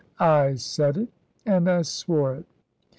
I said it, and I swore it.